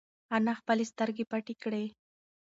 انا خپلې سترگې پټې کړې.